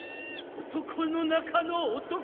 男の中の男！